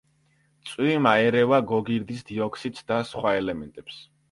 წვიმა ერევა გოგირდის დიოქსიდს და სხვა ელემენტებს.